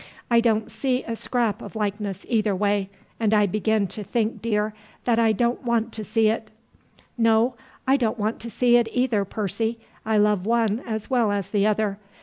I don't see a scrap of likeness either way, and I begin to think, dear, that I don't want to see it." "No, I don't want to see it either, Percy; I love one as well as the other.